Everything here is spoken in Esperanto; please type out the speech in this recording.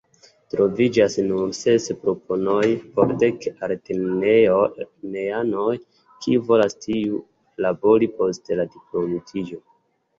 Troviĝas nur ses proponoj por dek altlernejanoj, kiuj volas tuj labori post la diplomitiĝo.